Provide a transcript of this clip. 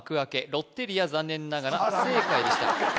ロッテリア残念ながら不正解でした